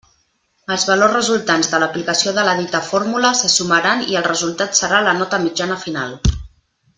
Els valors resultants de l'aplicació de la dita fórmula se sumaran i el resultat serà la nota mitjana final.